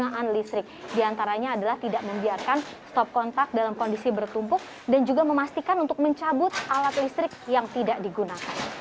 penggunaan listrik diantaranya adalah tidak membiarkan stop kontak dalam kondisi bertumpuk dan juga memastikan untuk mencabut alat listrik yang tidak digunakan